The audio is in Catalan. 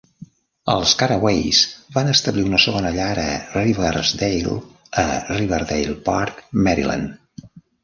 Els Caraways van establir una segona llar a Riversdale a Riverdale Park, Maryland.